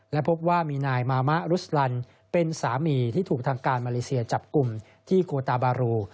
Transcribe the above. และพบว่ามีนายมามะรุสลันเป็นสามีที่ถูกทางการมาเลเซียจับกลุ่มที่โคตาบารู